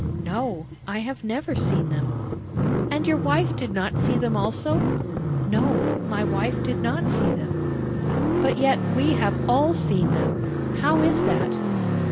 "'No, I have never seen them.' "'And your wife did not see them also?' "'No, my wife did not see them.' "'But yet we have all seen them; how is that?'